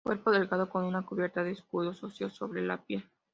Cuerpo delgado con una cubierta de escudos óseos sobre la piel.